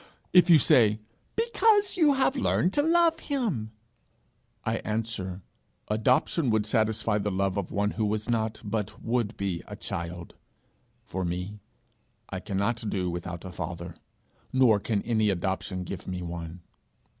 If you say Because you have learned to love him, I answer Adoption would satisfy the love of one who was not but would be a child; for me, I cannot do without a father, nor can any adoption give me one.'